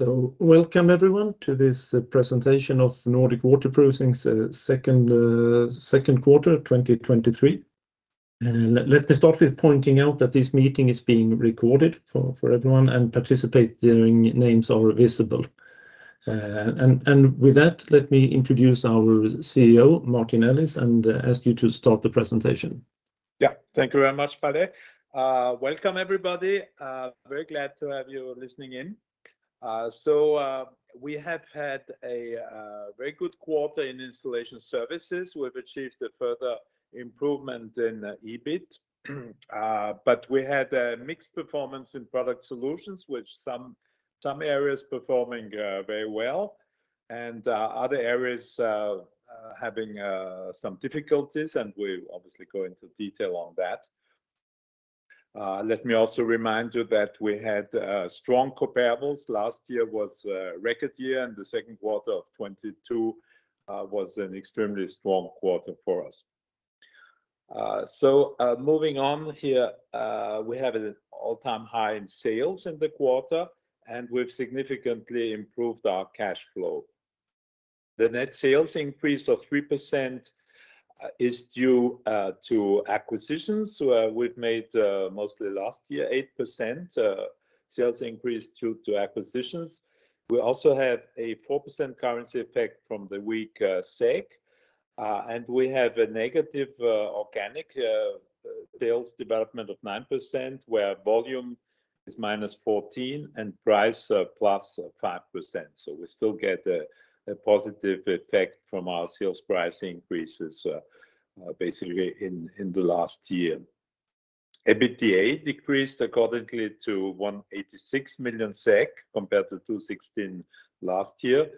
Welcome everyone to this presentation of Nordic Waterproofing's second quarter 2023. Let me start with pointing out that this meeting is being recorded for everyone, and participating names are visible. With that, let me introduce our CEO, Martin Ellis, and ask you to start the presentation. Thank you very much, Palle. Welcome, everybody. Very glad to have you listening in. We have had a very good quarter in Installation Services. We've achieved a further improvement in EBIT. We had a mixed performance in Products & Solutions, which some areas performing, very well and other areas having some difficulties, and we obviously go into detail on that. Let me also remind you that we had strong comparables. Last year was a record year, and the second quarter of 2022 was an extremely strong quarter for us. Moving on here, we have an all-time high in sales in the quarter, and we've significantly improved our cash flow. The net sales increase of 3% is due to acquisitions we've made mostly last year, 8% sales increase due to acquisitions. We also have a 4% currency effect from the weak SEK, and we have a negative organic sales development of 9%, where volume is -14% and price +5%. We still get a positive effect from our sales price increases basically in the last year. EBITDA decreased accordingly to 186 million SEK compared to 216 million last year.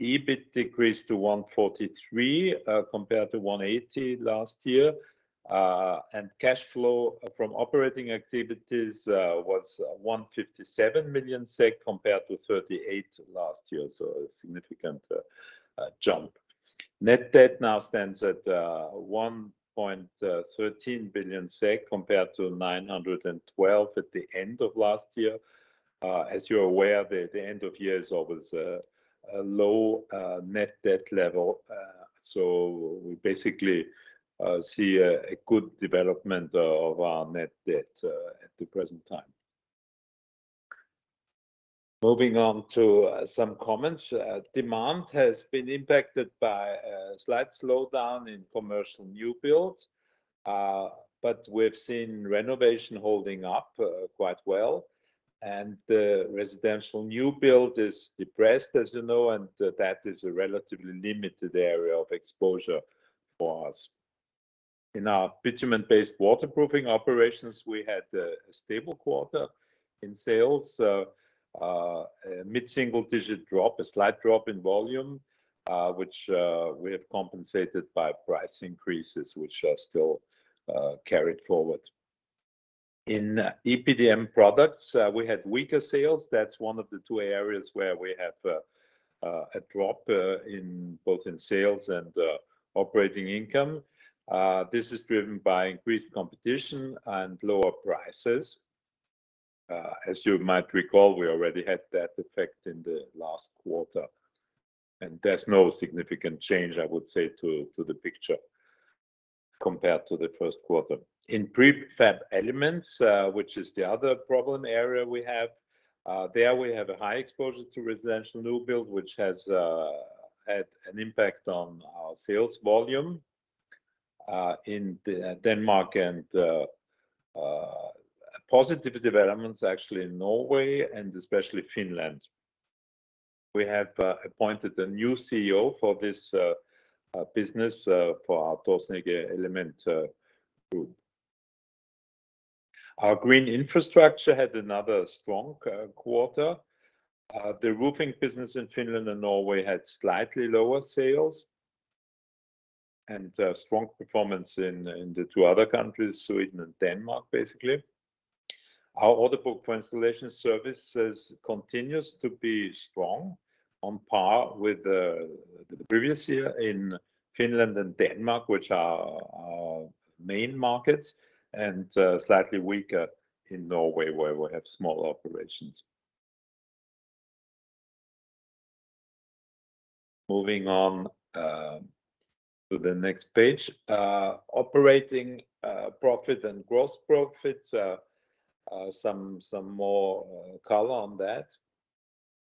EBIT decreased to 143 million compared to 180 million last year. Cash flow from operating activities was 157 million SEK compared to 38 million last year. A significant jump. Net debt now stands at 1.13 billion SEK compared to 912 at the end of last year. As you're aware, the end of year is always a low net debt level. We basically see a good development of our net debt at the present time. Moving on to some comments. Demand has been impacted by a slight slowdown in commercial new builds, but we've seen renovation holding up quite well, and the residential new build is depressed, as you know, and that is a relatively limited area of exposure for us. In our bitumen-based waterproofing operations, we had a stable quarter in sales. A mid-single-digit drop, a slight drop in volume, which we have compensated by price increases, which are still carried forward. In EPDM products, we had weaker sales. That's one of the two areas where we have a drop in both in sales and operating income. This is driven by increased competition and lower prices. As you might recall, we already had that effect in the last quarter, and there's no significant change, I would say, to the picture compared to the first quarter. In prefab elements, which is the other problem area we have, there we have a high exposure to residential new build, which has had an impact on our sales volume in Denmark and positive developments actually in Norway and especially Finland. We have appointed a new CEO for this business for our Taasinge Elementer group. Our green infrastructure had another strong quarter. The roofing business in Finland and Norway had slightly lower sales and strong performance in the two other countries, Sweden and Denmark, basically. Our order book for Installation Services continues to be strong, on par with the previous year in Finland and Denmark, which are our main markets, and slightly weaker in Norway, where we have smaller operations. Moving on to the next page. Operating profit and gross profit, some more color on that.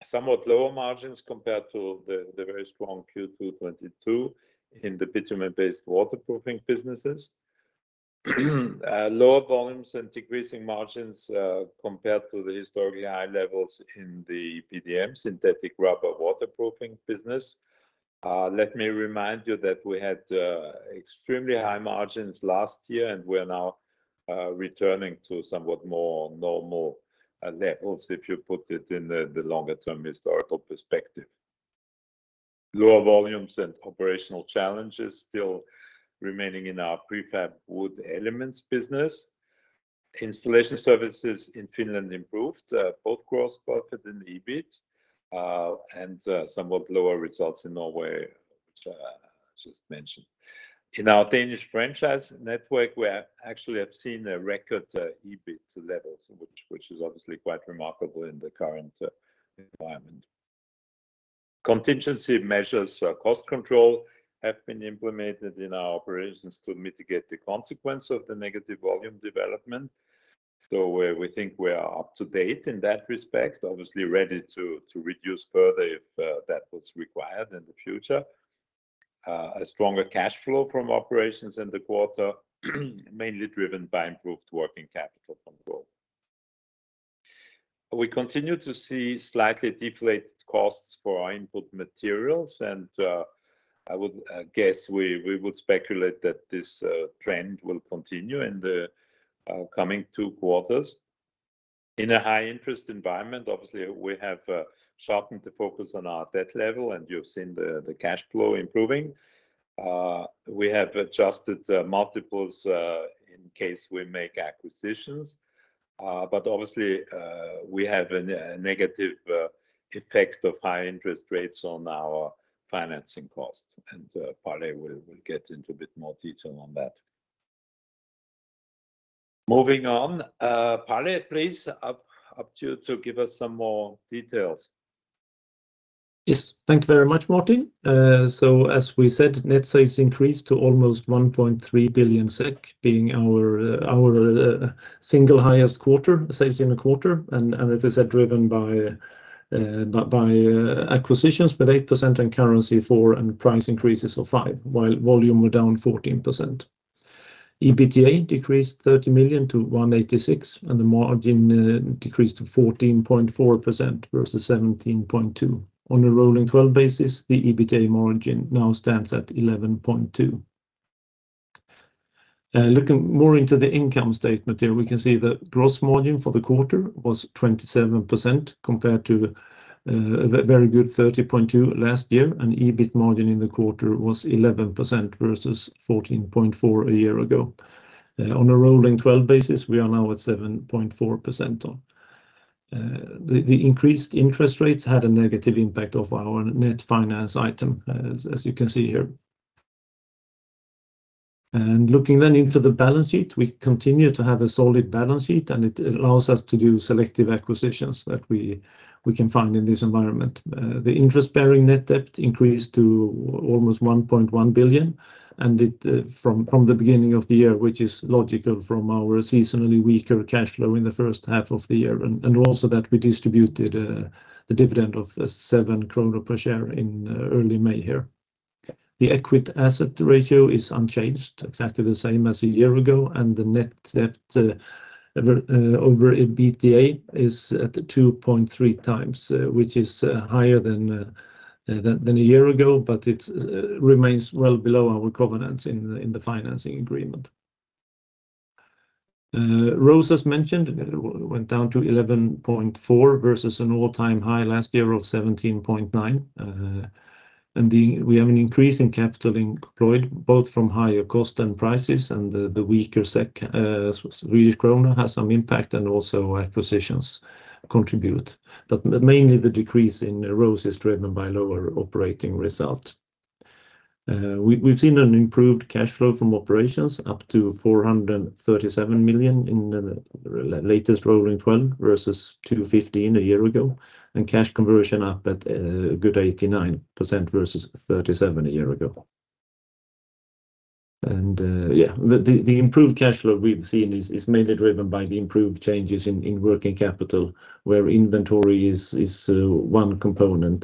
Somewhat lower margins compared to the very strong Q2 2022 in the bitumen-based waterproofing businesses. Lower volumes and decreasing margins compared to the historically high levels in the EPDM synthetic rubber waterproofing business. Let me remind you that we had extremely high margins last year, and we are now returning to somewhat more normal levels, if you put it in the longer-term historical perspective. Lower volumes and operational challenges still remaining in our prefab wood elements business. Installation services in Finland improved both gross profit and EBIT, and somewhat lower results in Norway, which just mentioned. In our Danish franchise network, we actually have seen a record EBIT levels, which is obviously quite remarkable in the current environment. Contingency measures, cost control have been implemented in our operations to mitigate the consequence of the negative volume development. We think we are up to date in that respect, obviously ready to reduce further if that was required in the future. A stronger cash flow from operations in the quarter, mainly driven by improved working capital control. We continue to see slightly deflated costs for our input materials. I would guess we would speculate that this trend will continue in the coming two quarters. In a high interest environment, obviously, we have sharpened the focus on our debt level. You've seen the cash flow improving. We have adjusted multiples in case we make acquisitions, but obviously, we have a negative effect of high interest rates on our financing costs. Palle will get into a bit more detail on that. Moving on, Palle, please, up to you to give us some more details. Yes, thank you very much, Martin. As we said, net sales increased to almost 1.3 billion SEK, being our single highest quarter, sales in a quarter, and it is driven by acquisitions, with 8% in currency 4% and price increases of 5%, while volume were down 14%. EBITDA decreased 30 million to 186 million, and the margin decreased to 14.4% versus 17.2%. On a rolling twelve basis, the EBITDA margin now stands at 11.2%. Looking more into the income statement here, we can see the gross margin for the quarter was 27%, compared to a very good 30.2% last year, and EBIT margin in the quarter was 11% versus 14.4% a year ago. on a rolling twelve basis, we are now at 7.4% on. the increased interest rates had a negative impact of our net finance item, as you can see here. Looking then into the balance sheet, we continue to have a solid balance sheet, and it allows us to do selective acquisitions that we can find in this environment. the interest-bearing net debt increased to almost 1.1 billion, and it from the beginning of the year, which is logical from our seasonally weaker cash flow in the first half of the year, and also that we distributed the dividend of SEK seven per share in early May here. The equity asset ratio is unchanged, exactly the same as a year ago, and the net debt over EBITDA is at 2.3 times, which is higher than a year ago, but it remains well below our covenants in the financing agreement. ROAS, as mentioned, went down to 11.4 versus an all-time high last year of 17.9. We have an increase in capital employed, both from higher cost and prices, and the weaker SEK, Swedish krona has some impact, and also acquisitions contribute. Mainly, the decrease in ROAS is driven by lower operating result. We've seen an improved cash flow from operations up to 437 million in the latest rolling twelve versus 215 a year ago. Cash conversion up at a good 89% versus 37% a year ago. Yeah, the improved cash flow we've seen is mainly driven by the improved changes in working capital, where inventory is one component.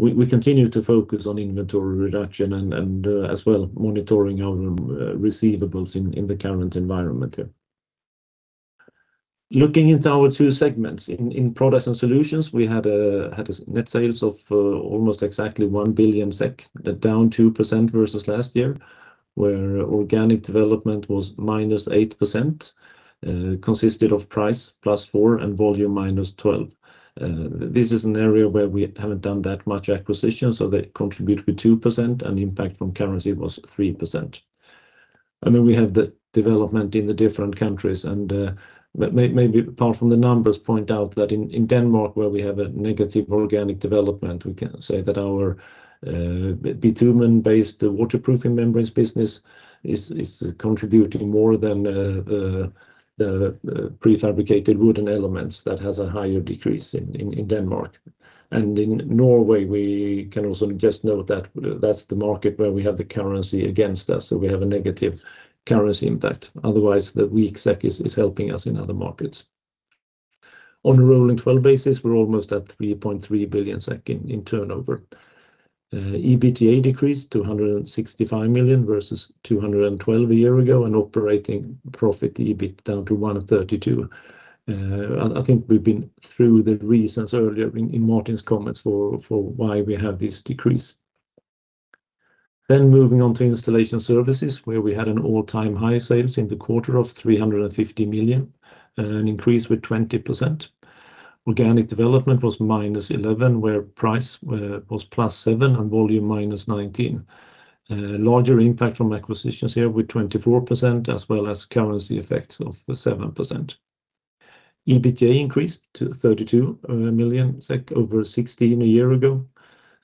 We continue to focus on inventory reduction and as well, monitoring our receivables in the current environment here. Looking into our two segments, in Products & Solutions, we had net sales of almost exactly one billion SEK, down 2% versus last year, where organic development was -8%, consisted of price +4% and volume -12%. This is an area where we haven't done that much acquisition, so they contributed with 2%, and impact from currency was 3%. We have the development in the different countries, maybe apart from the numbers, point out that in Denmark, where we have a negative organic development, we can say that our bitumen-based waterproofing membranes business is contributing more than the prefabricated wooden elements that has a higher decrease in Denmark. In Norway, we can also just note that that's the market where we have the currency against us, so we have a negative currency impact. Otherwise, the weak SEK is helping us in other markets. On a rolling 12 basis, we're almost at 3.3 billion SEK in turnover. EBITDA decreased to 265 million versus 212 a year ago. Operating profit, EBIT, down to 132. I think we've been through the reasons earlier in Martin's comments for why we have this decrease. Moving on to Installation Services, where we had an all-time high sales in the quarter of 350 million, an increase with 20%. Organic development was -11%, where price was +7% and volume -19%. Larger impact from acquisitions here with 24%, as well as currency effects of 7%. EBITA increased to 32 million SEK over 16 a year ago.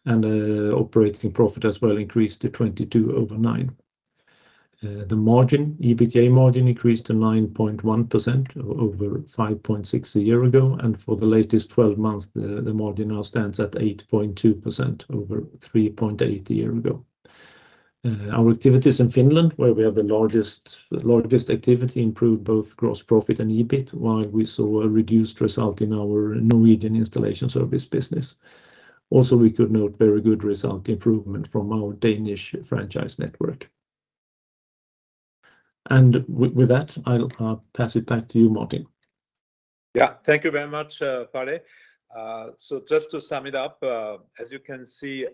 Operating profit as well increased to 22 over 9. The margin, EBITA margin increased to 9.1% over 5.6% a year ago, and for the latest 12 months, the margin now stands at 8.2% over 3.8% a year ago. Our activities in Finland, where we have the largest activity, improved both gross profit and EBIT, while we saw a reduced result in our Norwegian Installation Services business. Also, we could note very good result improvement from our Danish franchise network. With that, I'll pass it back to you, Martin. Yeah. Thank you very much, Palle. Just to sum it up, as you can see,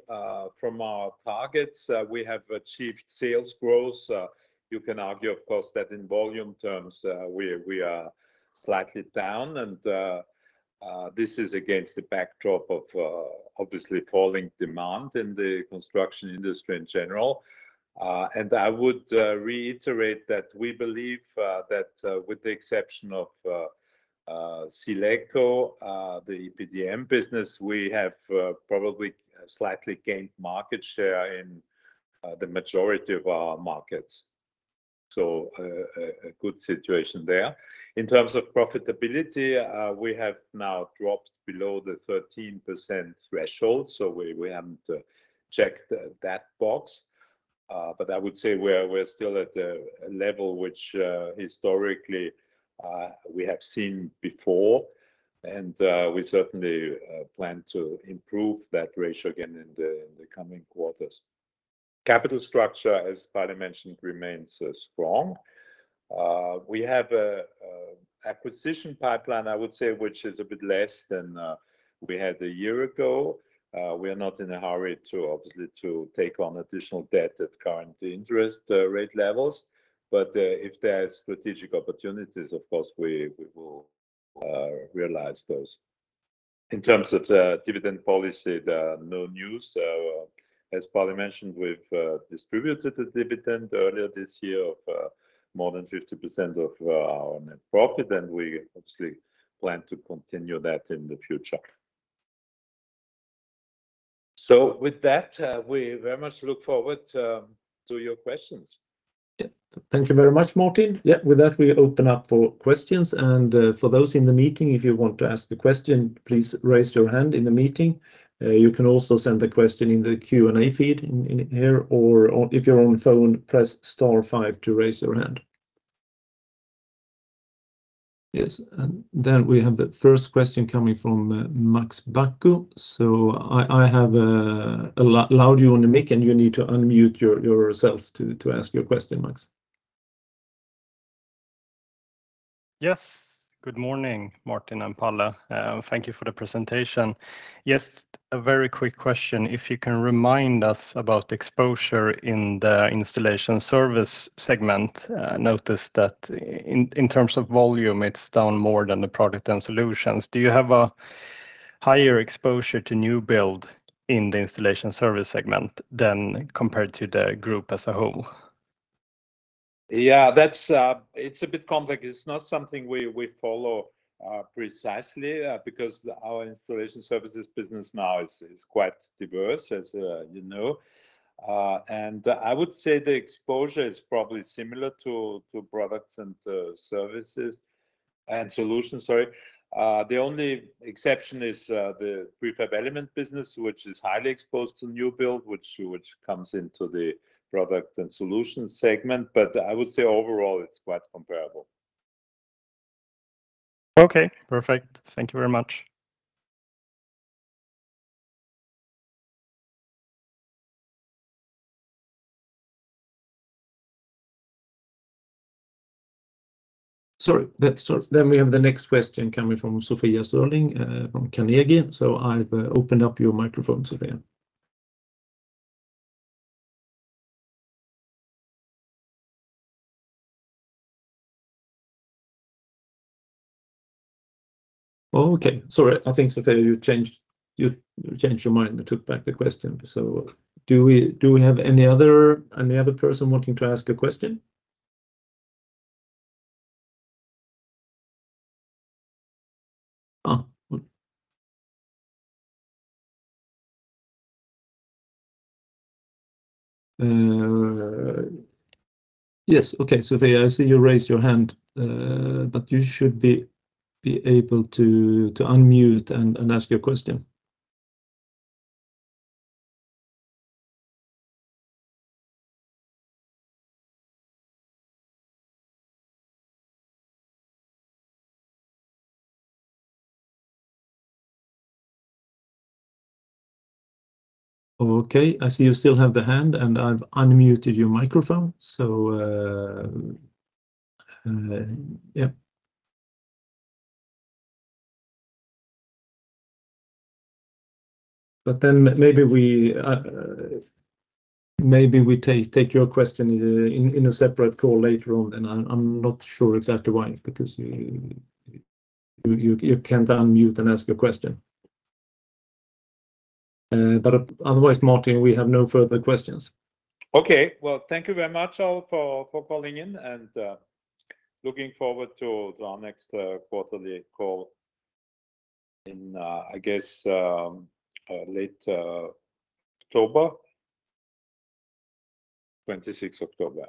from our targets, we have achieved sales growth. You can argue, of course, that in volume terms, we are slightly down, and this is against the backdrop of obviously falling demand in the construction industry in general. I would reiterate that we believe that with the exception of SealEco, the EPDM business, we have probably slightly gained market share in the majority of our markets. A good situation there. In terms of profitability, we have now dropped below the 13% threshold, so we haven't checked that box. But I would say we're still at a level which historically we have seen before, and we certainly plan to improve that ratio again in the coming quarters. Capital structure, as Palle mentioned, remains strong. We have a acquisition pipeline, I would say, which is a bit less than we had a year ago. We are not in a hurry to obviously to take on additional debt at current interest rate levels, but if there are strategic opportunities, of course, we will realize those. In terms of dividend policy, there are no news. As Palle mentioned, we've distributed the dividend earlier this year of more than 50% of our net profit, and we obviously plan to continue that in the future. With that, we very much look forward to your questions. Thank you very much, Martin. With that, we open up for questions. For those in the meeting, if you want to ask a question, please raise your hand in the meeting. You can also send the question in the Q&A feed in here, or if you're on phone, press star five to raise your hand. We have the first question coming from Max Bæck. I have allowed you on the mic, and you need to unmute yourself to ask your question, Max. Yes. Good morning, Martin and Palle. Thank you for the presentation. Yes, a very quick question. If you can remind us about the exposure in the installation service segment. Notice that in terms of volume, it's down more than the product and solutions. Do you have a higher exposure to new build in the installation service segment than compared to the group as a whole? Yeah, that's, it's a bit complex. It's not something we follow precisely because our Installation Services business now is quite diverse, as you know. I would say the exposure is probably similar to Products & Solutions, sorry. The only exception is the prefab element business, which is highly exposed to new build, which comes into the Products & Solutions segment, but I would say overall it's quite comparable. Okay, perfect. Thank you very much. Sorry. Sorry. We have the next question coming from Sofia Sörling from Carnegie. I've opened up your microphone, Sofia. Sorry. I think, Sofia, you changed your mind and took back the question. Do we have any other person wanting to ask a question? Yes. Sofia, I see you raised your hand, but you should be able to unmute and ask your question. I see you still have the hand, and I've unmuted your microphone, yeah. Maybe we take your question in a separate call later on, and I'm not sure exactly why, because you can't unmute and ask your question. Otherwise, Martin, we have no further questions. Okay, well, thank you very much all for calling in, and looking forward to our next quarterly call in, I guess, late October. 26th October.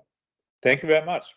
Thank you very much.